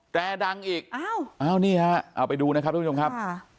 แต่ดังอีกอ้าวนี่ฮะเอาไปดูนะครับทุกผู้ชมครับ